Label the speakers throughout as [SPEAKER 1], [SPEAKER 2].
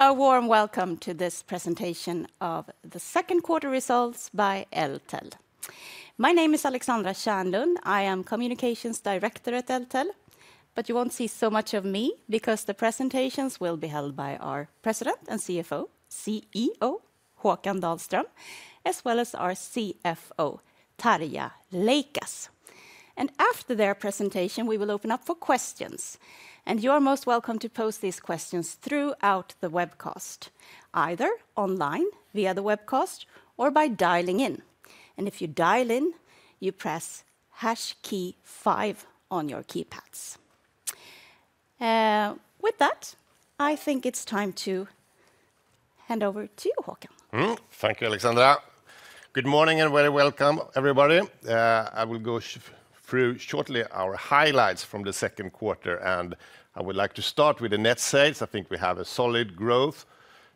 [SPEAKER 1] A warm welcome to this presentation of the second quarter results by Eltel. My name is Alexandra Kärnlund. I am Communications Director at Eltel, but you won't see so much of me because the presentations will be held by our President and CEO Håkan Dahlström, as well as our CFO Tarja Leikas. After their presentation, we will open up for questions, and you are most welcome to post these questions throughout the webcast, either online via the webcast or by dialing in. If you dial in, you press Hash key five on your keypads. With that, I think it's time to hand over to you, Håkan.
[SPEAKER 2] Thank you, Alexandra. Good morning and very welcome, everybody. I will go through shortly our highlights from the second quarter, and I would like to start with the net sales. I think we have a solid growth.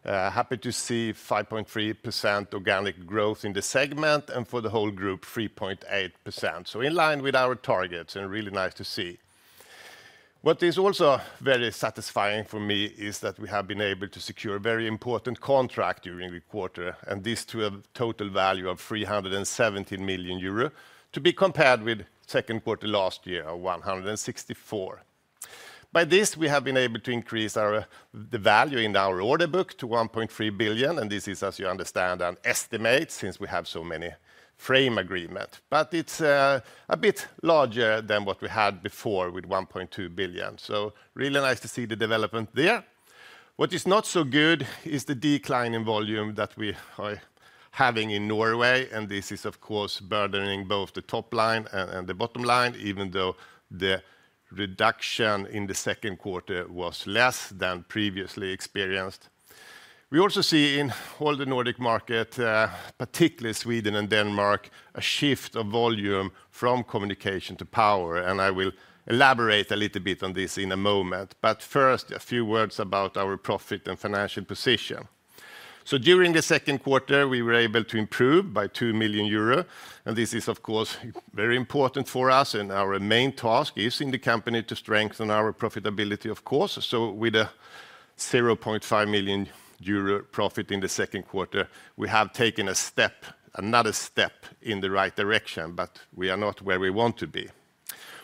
[SPEAKER 2] Happy to see 5.3% organic growth in the segment and for the whole group, 3.8%. So in line with our targets, and really nice to see. What is also very satisfying for me is that we have been able to secure a very important contract during the quarter, and this to a total value of 317 million euro to be compared with second quarter last year of 164 million. By this, we have been able to increase the value in our order book to 1.3 billion, and this is, as you understand, an estimate since we have so many frame agreements, but it's a bit larger than what we had before with 1.2 billion. So really nice to see the development there. What is not so good is the decline in volume that we are having in Norway, and this is, of course, burdening both the top line and the bottom line, even though the reduction in the second quarter was less than previously experienced. We also see in all the Nordic markets, particularly Sweden and Denmark, a shift of volume from communication to power, and I will elaborate a little bit on this in a moment. But first, a few words about our profit and financial position. So during the second quarter, we were able to improve by 2 million euro, and this is, of course, very important for us, and our main task is in the company to strengthen our profitability, of course. So with a 0.5 million euro profit in the second quarter, we have taken another step in the right direction, but we are not where we want to be.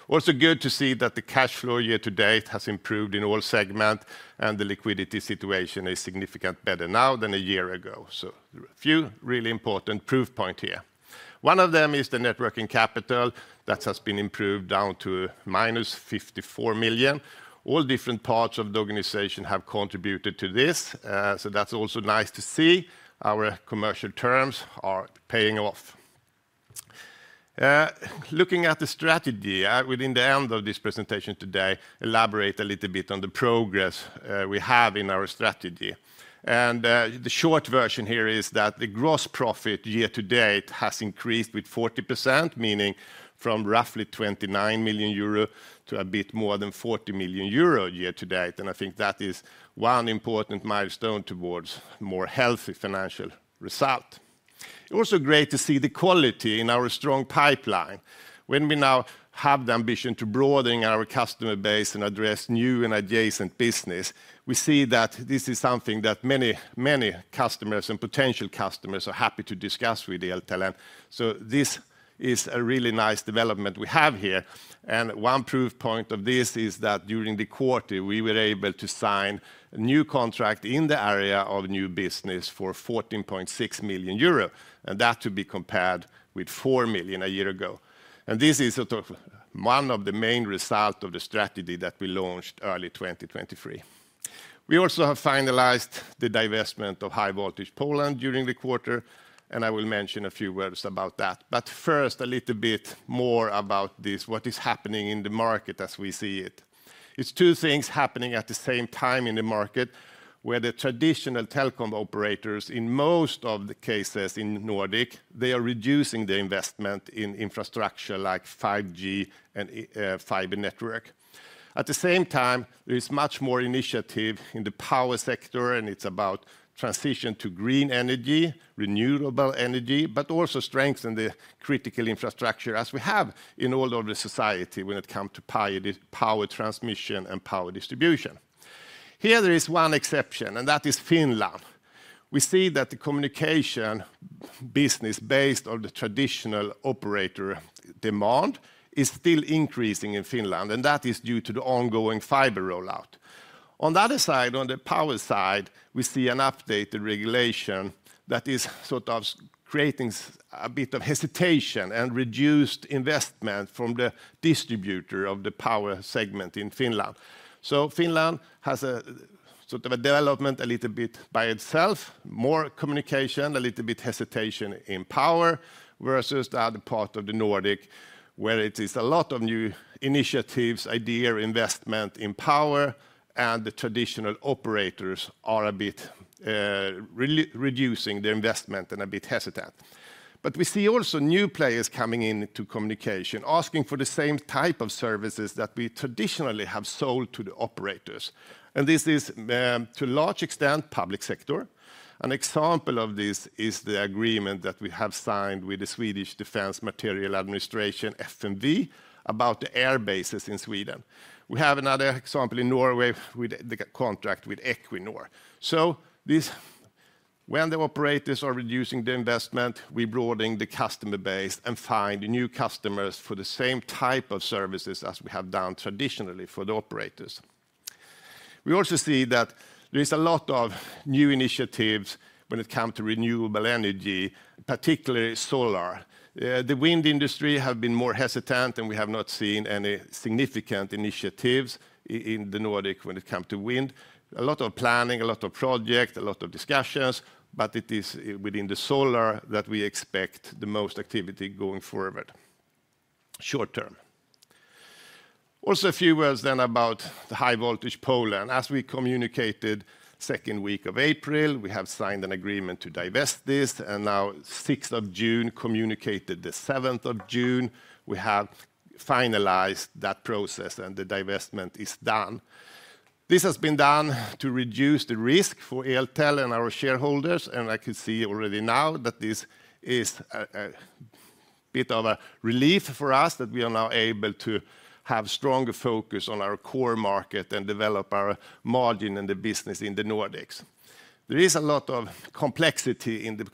[SPEAKER 2] Also good to see that the cash flow year to date has improved in all segments, and the liquidity situation is significantly better now than a year ago. So a few really important proof points here. One of them is the net working capital that has been improved down to -54 million. All different parts of the organization have contributed to this, so that's also nice to see. Our commercial terms are paying off. Looking at the strategy, I will, in the end of this presentation today, elaborate a little bit on the progress we have in our strategy. The short version here is that the gross profit year-to -date has increased with 40%, meaning from roughly 29 million euro to a bit more than 40 million euro year-to-date, and I think that is one important milestone towards a more healthy financial result. Also great to see the quality in our strong pipeline. When we now have the ambition to broaden our customer base and address new and adjacent business, we see that this is something that many, many customers and potential customers are happy to discuss with Eltel. And so this is a really nice development we have here. And one proof point of this is that during the quarter, we were able to sign a new contract in the area of new business for 14.6 million euro, and that to be compared with 4 million a year ago. This is one of the main results of the strategy that we launched early 2023. We also have finalized the divestment of High Voltage Poland during the quarter, and I will mention a few words about that. But first, a little bit more about this, what is happening in the market as we see it. It's two things happening at the same time in the market, where the traditional telecom operators, in most of the cases in Nordic, they are reducing their investment in infrastructure like 5G and fiber network. At the same time, there is much more initiative in the power sector, and it's about transition to green energy, renewable energy, but also strengthen the critical infrastructure as we have in all of the society when it comes to power transmission and power distribution. Here there is one exception, and that is Finland. We see that the communication business based on the traditional operator demand is still increasing in Finland, and that is due to the ongoing fiber rollout. On the other side, on the power side, we see an updated regulation that is sort of creating a bit of hesitation and reduced investment from the distributor of the power segment in Finland. Finland has a sort of a development a little bit by itself, more communication, a little bit hesitation in power versus the other part of the Nordic, where it is a lot of new initiatives, ideas, investment in power, and the traditional operators are a bit reducing their investment and a bit hesitant. But we see also new players coming into communication, asking for the same type of services that we traditionally have sold to the operators. This is to a large extent public sector. An example of this is the agreement that we have signed with the Swedish Defence Materiel Administration, FMV, about the air bases in Sweden. We have another example in Norway with the contract with Equinor. When the operators are reducing the investment, we're broadening the customer base and finding new customers for the same type of services as we have done traditionally for the operators. We also see that there is a lot of new initiatives when it comes to renewable energy, particularly solar. The wind industry has been more hesitant, and we have not seen any significant initiatives in the Nordic when it comes to wind. A lot of planning, a lot of projects, a lot of discussions, but it is within the solar that we expect the most activity going forward short term. A few words then about the High Voltage Poland. As we communicated [in the] second week of April, we have signed an agreement to divest this, and now, 6th of June, communicated the 7th of June, we have finalized that process and the divestment is done. This has been done to reduce the risk for Eltel and our shareholders, and I could see already now that this is a bit of a relief for us that we are now able to have stronger focus on our core market and develop our margin and the business in the Nordics. There is a lot of complexity in the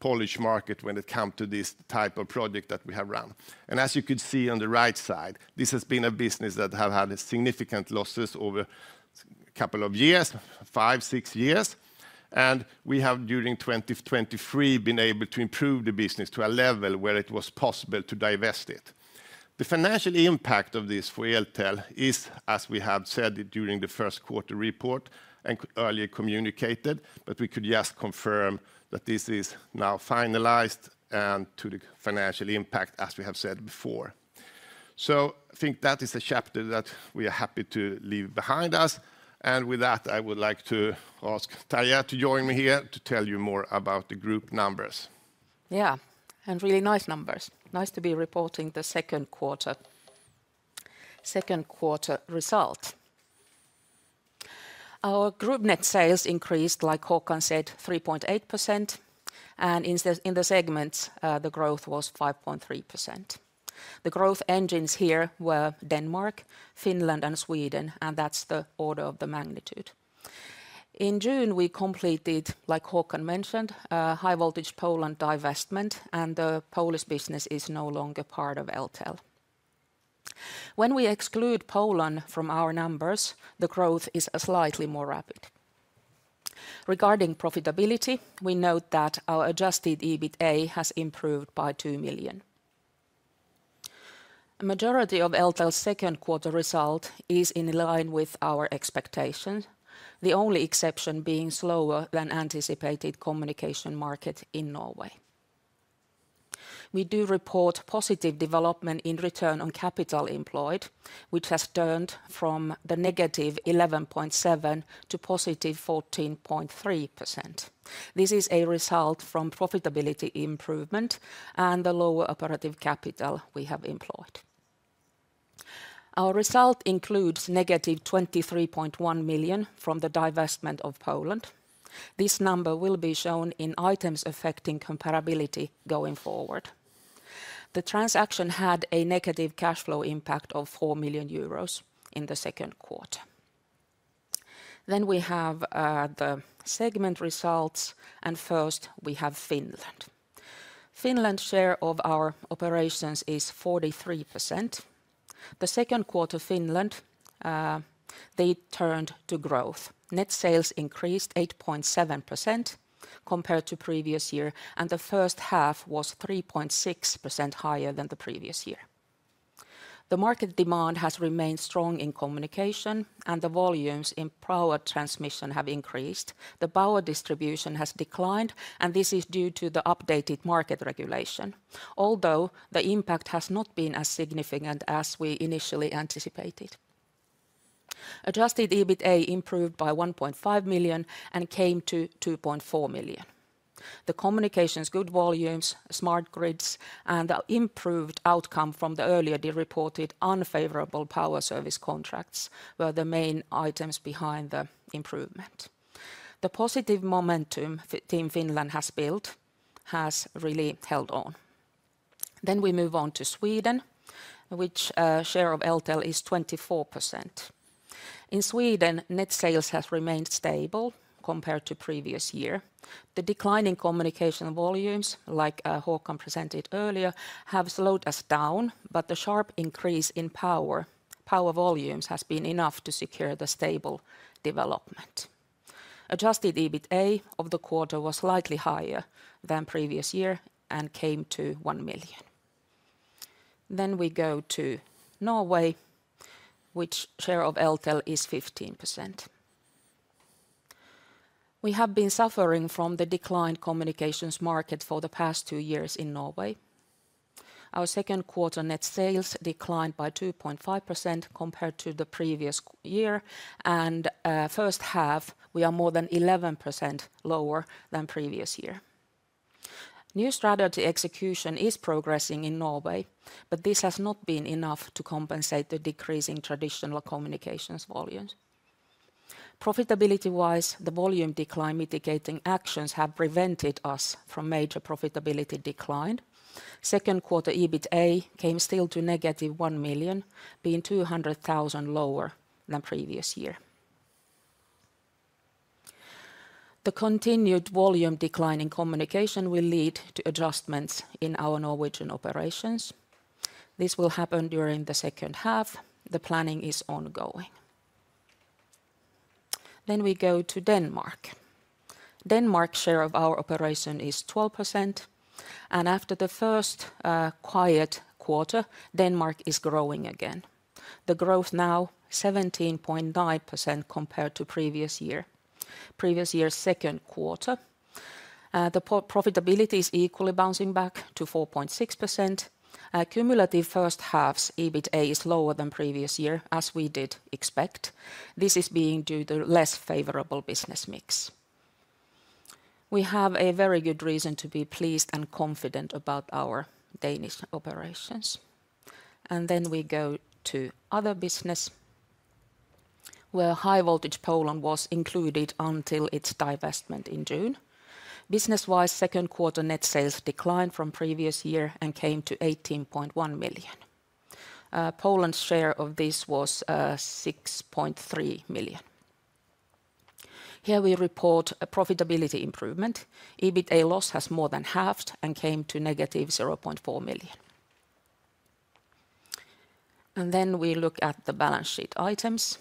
[SPEAKER 2] Polish market when it comes to this type of project that we have run. As you could see on the right side, this has been a business that has had significant losses over a couple of years, five, six years, and we have during 2023 been able to improve the business to a level where it was possible to divest it. The financial impact of this for Eltel is, as we have said during the first quarter report and earlier communicated, but we could just confirm that this is now finalized and to the financial impact as we have said before. I think that is a chapter that we are happy to leave behind us. With that, I would like to ask Tarja to join me here to tell you more about the group numbers.
[SPEAKER 3] Yeah, and really nice numbers. Nice to be reporting the second quarter results. Our group net sales increased, like Håkan said, 3.8%, and in the segments, the growth was 5.3%. The growth engines here were Denmark, Finland, and Sweden, and that's the order of the magnitude. In June, we completed, like Håkan mentioned, High Voltage Poland divestment, and the Polish business is no longer part of Eltel. When we exclude Poland from our numbers, the growth is slightly more rapid. Regarding profitability, we note that our adjusted EBITDA has improved by 2 million. The majority of Eltel's second quarter result is in line with our expectations, the only exception being slower than anticipated communication market in Norway. We do report positive development in return on capital employed, which has turned from the -11.7% to +14.3%. This is a result from profitability improvement and the lower operative capital we have employed. Our result includes -23.1 million from the divestment of Poland. This number will be shown in items affecting comparability going forward. The transaction had a negative cash flow impact of 4 million euros in the second quarter. Then we have the segment results, and first we have Finland. Finland's share of our operations is 43%. The second quarter of Finland, they turned to growth. Net sales increased 8.7% compared to previous year, and the first half was 3.6% higher than the previous year. The market demand has remained strong in communication, and the volumes in power transmission have increased. The power distribution has declined, and this is due to the updated market regulation, although the impact has not been as significant as we initially anticipated. Adjusted EBITDA improved by 1.5 million and came to 2.4 million. The communications good volumes, smart grids, and the improved outcome from the earlier reported unfavorable power service contracts were the main items behind the improvement. The positive momentum Team Finland has built has really held on. Then we move on to Sweden, which share of Eltel is 24%. In Sweden, net sales has remained stable compared to previous year. The declining communication volumes, like Håkan presented earlier, have slowed us down, but the sharp increase in power volumes has been enough to secure the stable development. Adjusted EBITDA of the quarter was slightly higher than previous year and came to 1 million. Then we go to Norway, which share of Eltel is 15%. We have been suffering from the declined communications market for the past two years in Norway. Our second quarter net sales declined by 2.5% compared to the previous year, and first half, we are more than 11% lower than previous year. New strategy execution is progressing in Norway, but this has not been enough to compensate the decrease in traditional communications volumes. Profitability-wise, the volume decline mitigating actions have prevented us from major profitability decline. Second quarter EBITDA came still to -1 million, being 200,000 lower than previous year. The continued volume decline in communication will lead to adjustments in our Norwegian operations. This will happen during the second half. The planning is ongoing. Then we go to Denmark. Denmark's share of our operation is 12%, and after the first quiet quarter, Denmark is growing again. The growth now is 17.9% compared to previous year. Previous year's second quarter, the profitability is equally bouncing back to 4.6%. Cumulative first half's EBITDA is lower than previous year, as we did expect. This is being due to less favorable business mix. We have a very good reason to be pleased and confident about our Danish operations. Then we go to other business, where High Voltage Poland was included until its divestment in June. Business-wise, second quarter net sales declined from previous year and came to 18.1 million. Poland's share of this was 6.3 million. Here we report a profitability improvement. EBITDA loss has more than halved and came to -0.4 million. Then we look at the balance sheet items.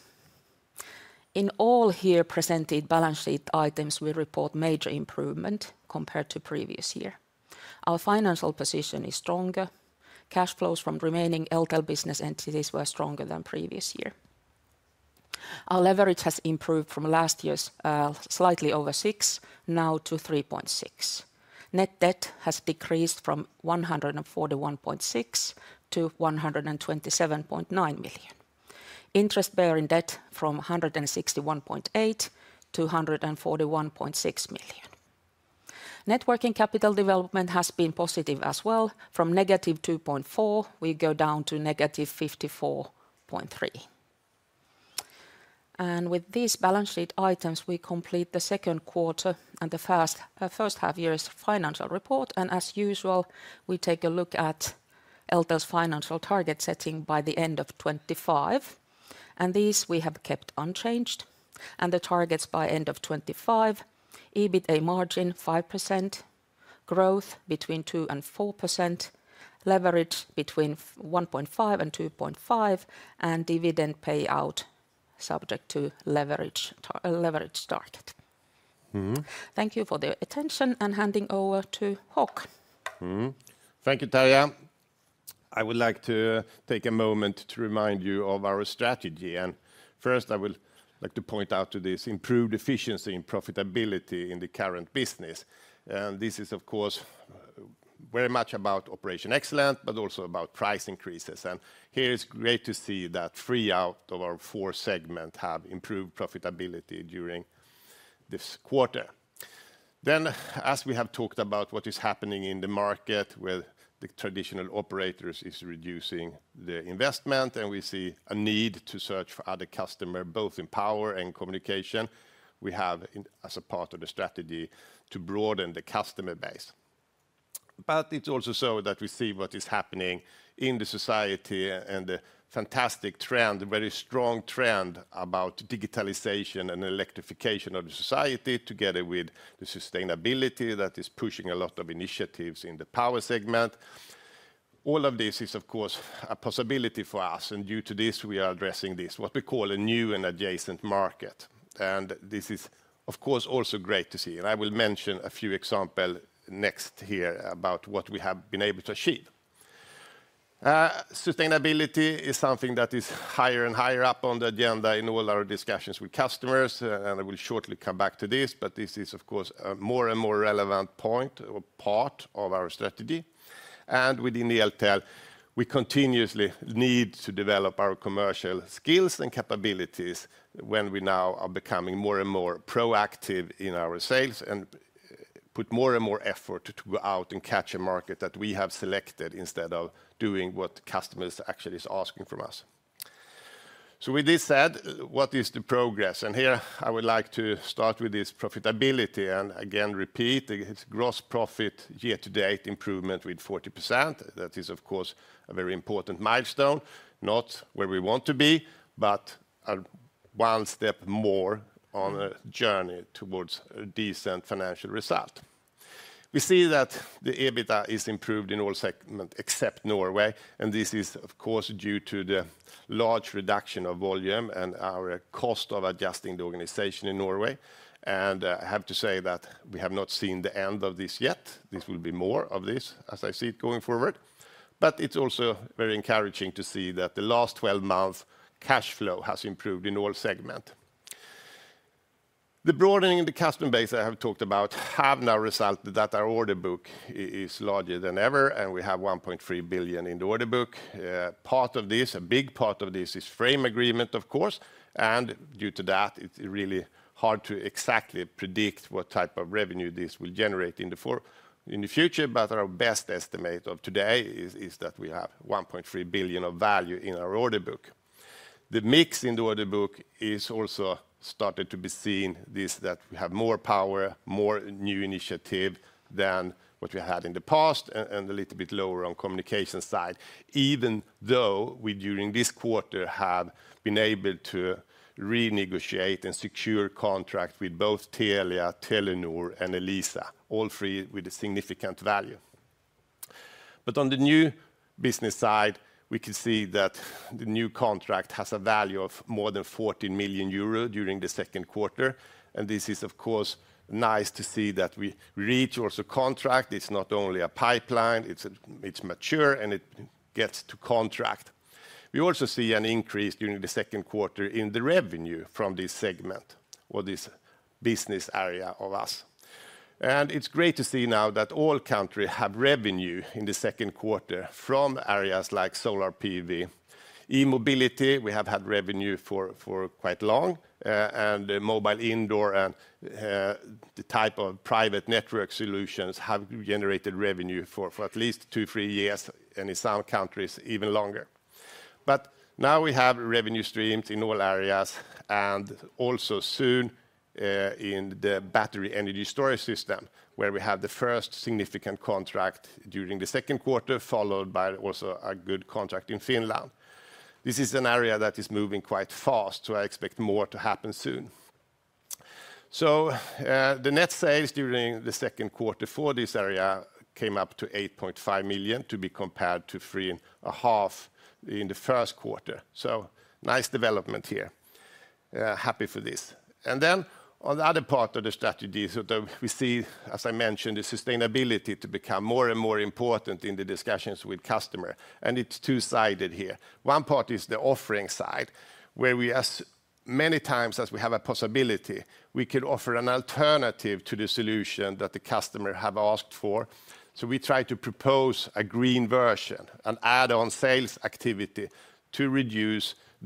[SPEAKER 3] In all here presented balance sheet items, we report major improvement compared to previous year. Our financial position is stronger. Cash flows from remaining Eltel business entities were stronger than previous year. Our leverage has improved from last year's slightly over 6 now to 3.6. Net debt has decreased from 141.6 million-127.9 million. Interest-bearing debt from 161.8 million-141.6 million. Net working capital development has been positive as well. From -2.4, we go down to -54.3. With these balance sheet items, we complete the second quarter and the first half-year's financial report. As usual, we take a look at Eltel's financial target setting by the end of 2025. These we have kept unchanged. The targets by end of 2025, EBITDA margin 5%, growth between 2%-4%, leverage between 1.5-2.5, and dividend payout subject to leverage target. Thank you for the attention and handing over to Håkan.
[SPEAKER 2] Thank you, Tarja. I would like to take a moment to remind you of our strategy. First, I would like to point out to this improved efficiency in profitability in the current business. This is, of course, very much about operational excellence, but also about price increases. Here it's great to see that three out of our four segments have improved profitability during this quarter. Then, as we have talked about what is happening in the market with the traditional operators, it is reducing the investment, and we see a need to search for other customers, both in power and communication. We have, as a part of the strategy, to broaden the customer base. But it's also so that we see what is happening in the society and the fantastic trend, very strong trend about digitalization and electrification of the society, together with the sustainability that is pushing a lot of initiatives in the Power segment. All of this is, of course, a possibility for us, and due to this, we are addressing this, what we call a new and adjacent market. And this is, of course, also great to see. And I will mention a few examples next here about what we have been able to achieve. Sustainability is something that is higher and higher up on the agenda in all our discussions with customers, and I will shortly come back to this, but this is, of course, a more and more relevant point or part of our strategy. Within Eltel, we continuously need to develop our commercial skills and capabilities when we now are becoming more and more proactive in our sales and put more and more effort to go out and catch a market that we have selected instead of doing what customers actually are asking from us. So with this said, what is the progress? Here I would like to start with this profitability and again repeat its gross profit year-to-date improvement with 40%. That is, of course, a very important milestone, not where we want to be, but one step more on a journey towards a decent financial result. We see that the EBITDA is improved in all segments except Norway, and this is, of course, due to the large reduction of volume and our cost of adjusting the organization in Norway. I have to say that we have not seen the end of this yet. This will be more of this as I see it going forward. But it's also very encouraging to see that the last 12 months' cash flow has improved in all segments. The broadening of the customer base I have talked about has now resulted in that our order book is larger than ever, and we have 1.3 billion in the order book. Part of this, a big part of this, is frame agreement, of course. And due to that, it's really hard to exactly predict what type of revenue this will generate in the future, but our best estimate of today is that we have 1.3 billion of value in our order book. The mix in the order book is also starting to be seen that we have more power, more new initiative than what we had in the past, and a little bit lower on the communication side, even though we during this quarter have been able to renegotiate and secure contracts with both Telia, Telenor, and Elisa, all three with a significant value. But on the new business side, we can see that the new contract has a value of more than 14 million euro during the second quarter. And this is, of course, nice to see that we reach also contract. It's not only a pipeline, it's mature, and it gets to contract. We also see an increase during the second quarter in the revenue from this segment or this business area of us. It's great to see now that all countries have revenue in the second quarter from areas like solar PV. e-mobility, we have had revenue for quite long, and mobile indoor and the type of private network solutions have generated revenue for at least two, three years, and in some countries even longer. But now we have revenue streams in all areas, and also soon in the battery energy storage system, where we have the first significant contract during the second quarter, followed by also a good contract in Finland. This is an area that is moving quite fast, so I expect more to happen soon. So the net sales during the second quarter for this area came up to 8.5 million to be compared to 3.5 million in the first quarter. So nice development here. Happy for this. And then on the other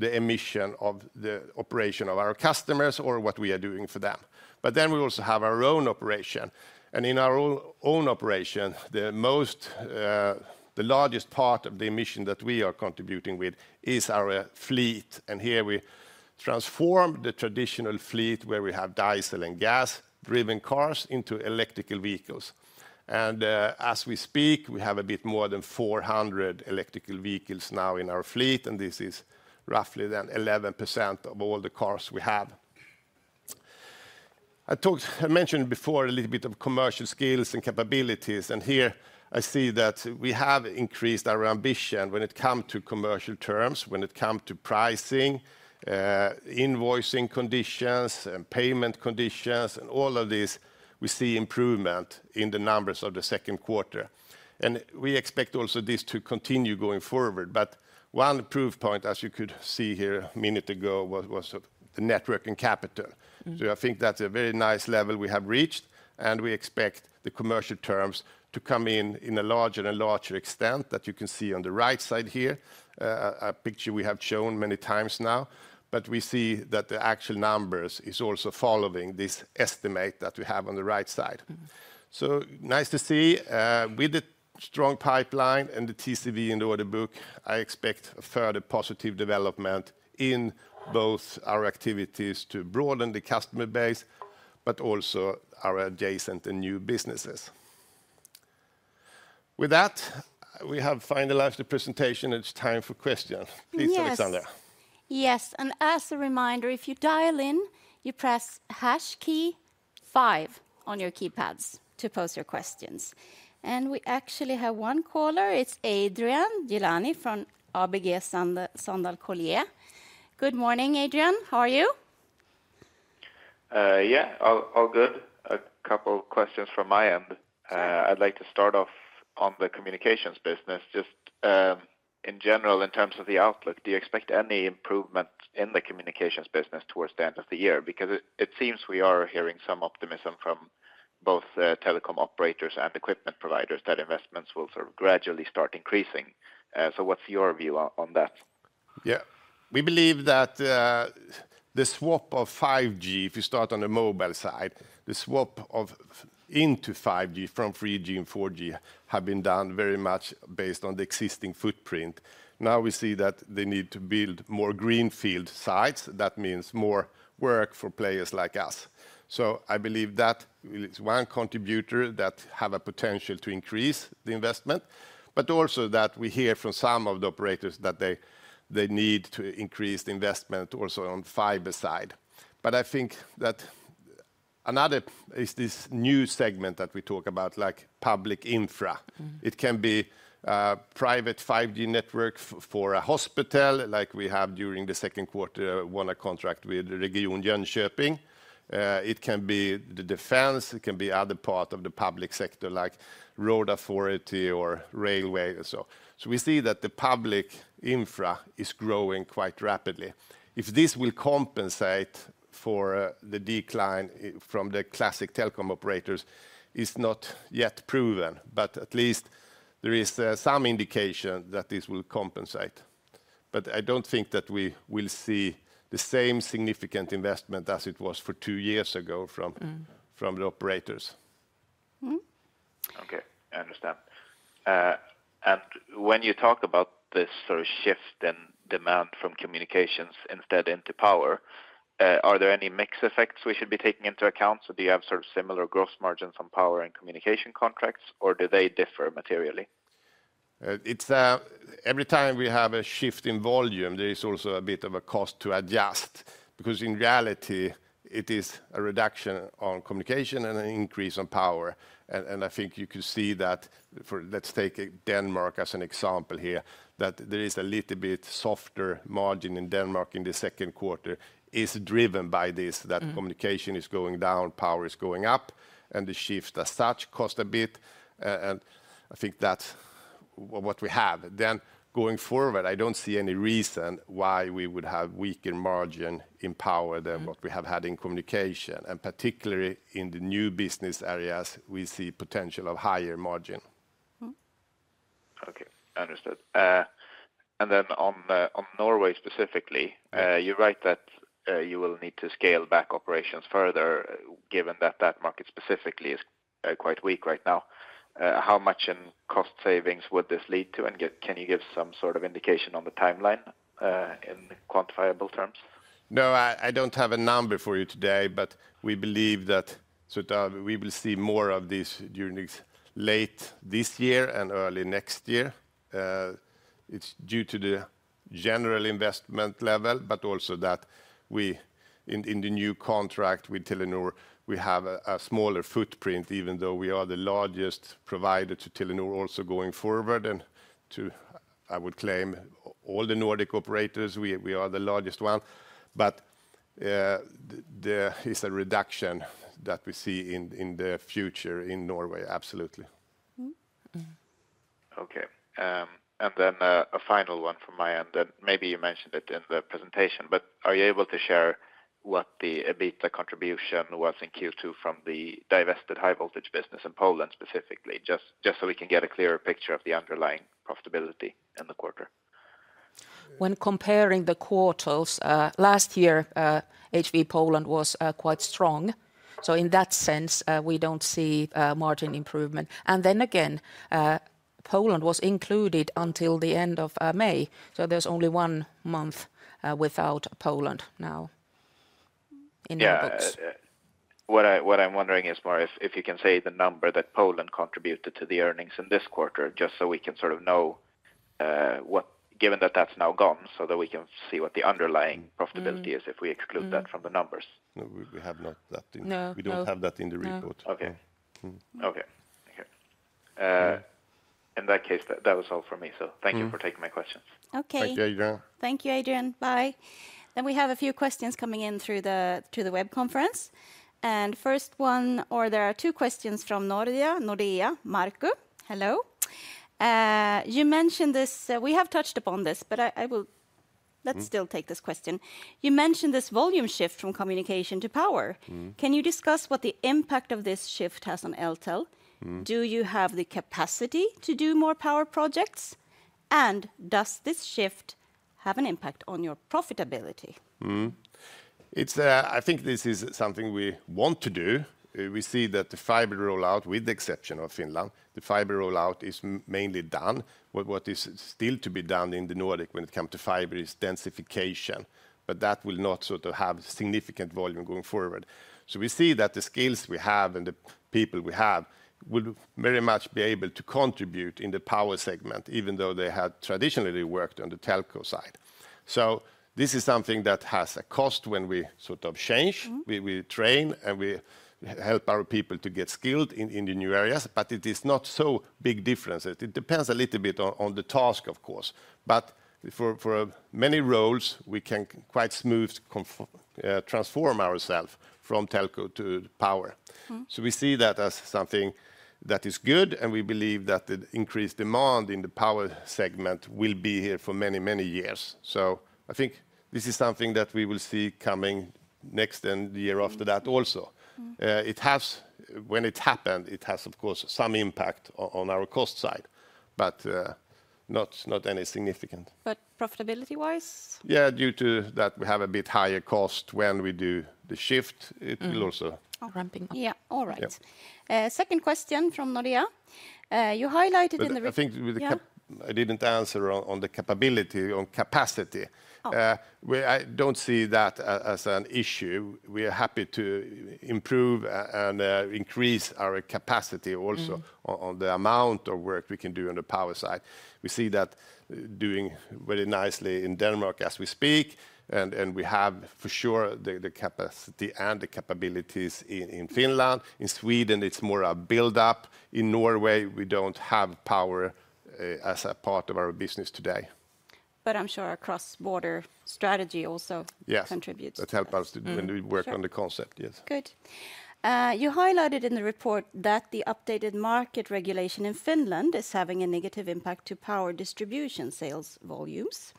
[SPEAKER 2] part of the strategy, we see, as I mentioned, the sustainability to become more and more important in the discussions with customers. And it's two-sided here. One part is the offering side, where we, as many times as we have a possibility, we could offer an alternative to the solution that the customer has asked for. So we try to propose a green version, an add-on sales activity to reduce the emission of the operation of our customers or what we are doing for them. But then we also have our own operation. And in our own operation, the largest part of the emission that we are contributing with is our fleet. And here we transform the traditional fleet where we have diesel and gas-driven cars into electric vehicles. As we speak, we have a bit more than 400 electric vehicles now in our fleet, and this is roughly then 11% of all the cars we have. I mentioned before a little bit of commercial skills and capabilities, and here I see that we have increased our ambition when it comes to commercial terms, when it comes to pricing, invoicing conditions, and payment conditions, and all of these, we see improvement in the numbers of the second quarter. And we expect also this to continue going forward. But one proof point, as you could see here a minute ago, was the net working capital. So I think that's a very nice level we have reached, and we expect the commercial terms to come in in a larger and larger extent that you can see on the right side here, a picture we have shown many times now. But we see that the actual numbers are also following this estimate that we have on the right side. So nice to see. With the strong pipeline and the TCV in the order book, I expect a further positive development in both our activities to broaden the customer base, but also our adjacent and new businesses. With that, we have finalized the presentation. It's time for questions. Please, Alexandra.
[SPEAKER 1] Yes. As a reminder, if you dial in, you press Hash key five on your keypads to post your questions. We actually have one caller. It's Adrian Gilani from ABG Sundal Collier. Good morning, Adrian. How are you?
[SPEAKER 4] Yeah, all good. A couple of questions from my end. I'd like to start off on the communications business. Just in general, in terms of the outlook, do you expect any improvement in the communications business towards the end of the year? Because it seems we are hearing some optimism from both telecom operators and equipment providers that investments will sort of gradually start increasing. So what's your view on that?
[SPEAKER 2] Yeah. We believe that the swap of 5G, if you start on the mobile side, the swap into 5G from 3G and 4G has been done very much based on the existing footprint. Now we see that they need to build more greenfield sites. That means more work for players like us. So I believe that is one contributor that has a potential to increase the investment, but also that we hear from some of the operators that they need to increase the investment also on the fiber side. But I think that another is this new segment that we talk about, like public infra. It can be private 5G network for a hospital, like we have during the second quarter, won a contract with Region Jönköping. It can be the defense. It can be other parts of the public sector, like road authority or railway. We see that the public infra is growing quite rapidly. If this will compensate for the decline from the classic telecom operators, it's not yet proven, but at least there is some indication that this will compensate. I don't think that we will see the same significant investment as it was for two years ago from the operators.
[SPEAKER 4] Okay, I understand. And when you talk about this sort of shift in demand from communications instead into power, are there any mixed effects we should be taking into account? So do you have sort of similar gross margins on power and communication contracts, or do they differ materially?
[SPEAKER 2] Every time we have a shift in volume, there is also a bit of a cost to adjust, because in reality, it is a reduction on communication and an increase on power. And I think you could see that, let's take Denmark as an example here, that there is a little bit softer margin in Denmark in the second quarter is driven by this, that communication is going down, power is going up, and the shift as such costs a bit. And I think that's what we have. Then going forward, I don't see any reason why we would have weaker margin in power than what we have had in communication, and particularly in the new business areas, we see potential of higher margin.
[SPEAKER 4] Okay, understood. Then on Norway specifically, you write that you will need to scale back operations further, given that that market specifically is quite weak right now. How much in cost savings would this lead to, and can you give some sort of indication on the timeline in quantifiable terms?
[SPEAKER 2] No, I don't have a number for you today, but we believe that we will see more of this during late this year and early next year. It's due to the general investment level, but also that in the new contract with Telenor, we have a smaller footprint, even though we are the largest provider to Telenor also going forward. And I would claim all the Nordic operators, we are the largest one. But it's a reduction that we see in the future in Norway, absolutely.
[SPEAKER 4] Okay. And then a final one from my end, and maybe you mentioned it in the presentation, but are you able to share what the EBITDA contribution was in Q2 from the divested High Voltage business in Poland specifically, just so we can get a clearer picture of the underlying profitability in the quarter?
[SPEAKER 3] When comparing the quarters, last year, High Voltage Poland was quite strong. So in that sense, we don't see margin improvement. And then again, Poland was included until the end of May, so there's only one month without Poland now in the books.
[SPEAKER 4] Yeah. What I'm wondering is more if you can say the number that Poland contributed to the earnings in this quarter, just so we can sort of know what, given that that's now gone, so that we can see what the underlying profitability is if we exclude that from the numbers.
[SPEAKER 2] We have not that.
[SPEAKER 3] No.
[SPEAKER 2] We don't have that in the report.
[SPEAKER 4] Okay. Okay. Okay. In that case, that was all for me, so thank you for taking my questions.
[SPEAKER 1] Okay.
[SPEAKER 2] Thank you, Adrian.
[SPEAKER 1] Thank you, Adrian. Bye. Then we have a few questions coming in through the web conference. And first one, or there are two questions from Nordea, Markku. Hello. You mentioned this, we have touched upon this, but let's still take this question. You mentioned this volume shift from communication to power. Can you discuss what the impact of this shift has on Eltel? Do you have the capacity to do more power projects, and does this shift have an impact on your profitability?
[SPEAKER 2] I think this is something we want to do. We see that the fiber rollout, with the exception of Finland, the fiber rollout is mainly done. What is still to be done in the Nordic when it comes to fiber is densification, but that will not sort of have significant volume going forward. So we see that the skills we have and the people we have will very much be able to contribute in the Power segment, even though they had traditionally worked on the telco side. So this is something that has a cost when we sort of change, we train, and we help our people to get skilled in the new areas, but it is not so big differences. It depends a little bit on the task, of course. But for many roles, we can quite smoothly transform ourselves from telco to power. So we see that as something that is good, and we believe that the increased demand in the Power segment will be here for many, many years. So I think this is something that we will see coming next and the year after that also. When it happened, it has, of course, some impact on our cost side, but not any significant.
[SPEAKER 1] But profitability-wise?
[SPEAKER 2] Yeah, due to that we have a bit higher cost when we do the shift. It will also.
[SPEAKER 1] Ramping up. Yeah, all right. Second question from Nordea. You highlighted in the.
[SPEAKER 2] I think I didn't answer on the capability, on capacity. I don't see that as an issue. We are happy to improve and increase our capacity also on the amount of work we can do on the power side. We see that doing very nicely in Denmark as we speak, and we have for sure the capacity and the capabilities in Finland. In Sweden, it's more a build-up. In Norway, we don't have power as a part of our business today.
[SPEAKER 1] But I'm sure a cross-border strategy also contributes.
[SPEAKER 2] Yes, that helps us when we work on the concept, yes.
[SPEAKER 1] Good. You highlighted in the report that the updated market regulation in Finland is having a negative impact on power distribution sales volumes.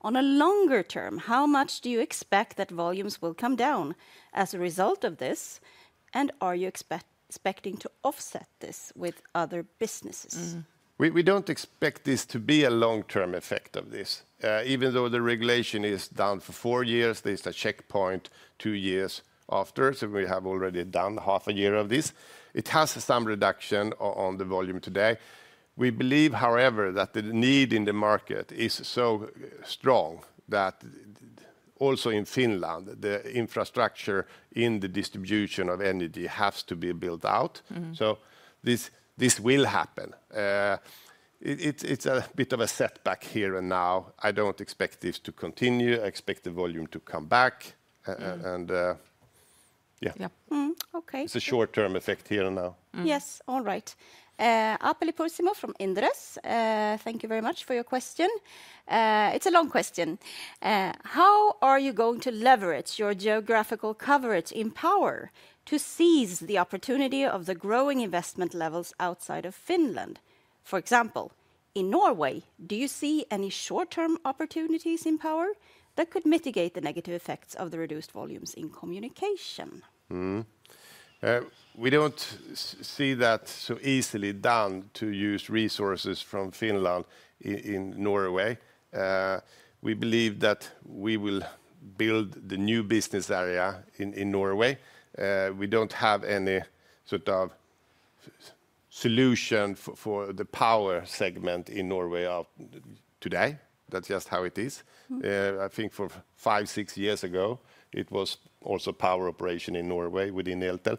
[SPEAKER 1] On a longer-term, how much do you expect that volumes will come down as a result of this, and are you expecting to offset this with other businesses?
[SPEAKER 2] We don't expect this to be a long-term effect of this. Even though the regulation is down for four years, there's a checkpoint two years after, so we have already done half a year of this. It has some reduction on the volume today. We believe, however, that the need in the market is so strong that also in Finland, the infrastructure in the distribution of energy has to be built out. So this will happen. It's a bit of a setback here and now. I don't expect this to continue. I expect the volume to come back. And yeah.
[SPEAKER 1] Yeah. Okay.
[SPEAKER 2] It's a short-term effect here and now.
[SPEAKER 1] Yes, all right. Håkan Dahl from Inderes. Thank you very much for your question. It's a long question. How are you going to leverage your geographical coverage in power to seize the opportunity of the growing investment levels outside of Finland? For example, in Norway, do you see any short-term opportunities in power that could mitigate the negative effects of the reduced volumes in communication?
[SPEAKER 2] We don't see that so easily done to use resources from Finland in Norway. We believe that we will build the new business area in Norway. We don't have any sort of solution for the Power segment in Norway today. That's just how it is. I think for 5, 6 years ago, it was also power operation in Norway within Eltel.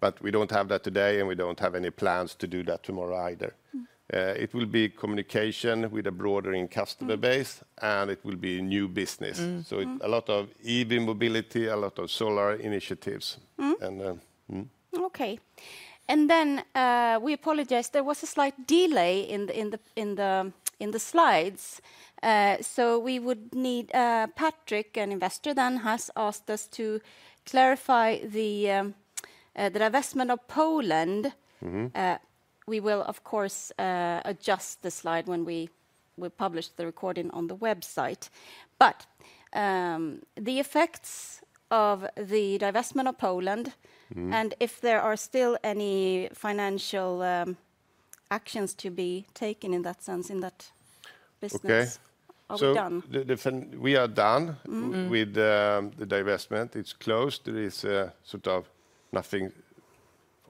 [SPEAKER 2] But we don't have that today, and we don't have any plans to do that tomorrow either. It will be communication with a broader customer base, and it will be new business. So a lot of EV mobility, a lot of solar initiatives.
[SPEAKER 1] Okay. And then we apologize. There was a slight delay in the slides, so we would need Patrick, an investor then has asked us to clarify the divestment of Poland. We will, of course, adjust the slide when we publish the recording on the website. But the effects of the divestment of Poland, and if there are still any financial actions to be taken in that sense, in that business.
[SPEAKER 2] Okay.
[SPEAKER 1] All done.
[SPEAKER 2] We are done with the divestment. It's closed. There is sort of nothing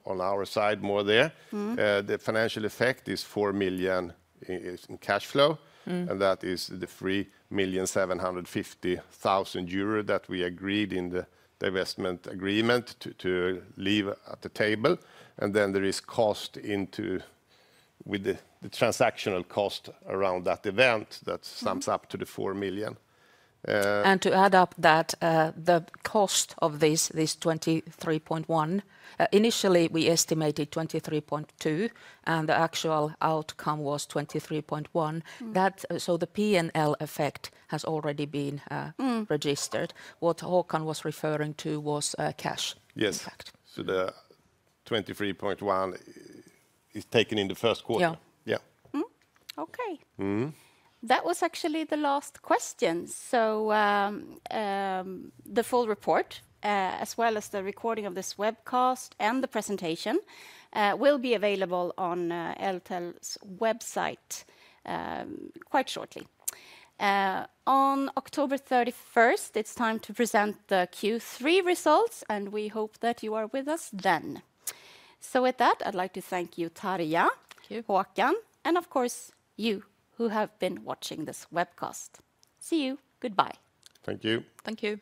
[SPEAKER 2] on our side more there. The financial effect is EUR 4 million in cash flow, and that is the 3,750,000 euro that we agreed in the divestment agreement to leave at the table. And then there is cost into with the transactional cost around that event that sums up to the 4 million.
[SPEAKER 3] To add up that, the cost of this 23.1, initially we estimated 23.2, and the actual outcome was 23.1. So the P&L effect has already been registered. What Håkan was referring to was cash effect.
[SPEAKER 2] Yes. So the 23.1 is taken in the first quarter.
[SPEAKER 1] Yeah. Okay. That was actually the last question. So the full report, as well as the recording of this webcast and the presentation, will be available on Eltel's website quite shortly. On October 31st, it's time to present the Q3 results, and we hope that you are with us then. So with that, I'd like to thank you, Tarja, Håkan, and of course, you who have been watching this webcast. See you. Goodbye.
[SPEAKER 2] Thank you.
[SPEAKER 1] Thank you.